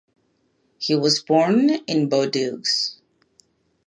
He was born in Bordeaux.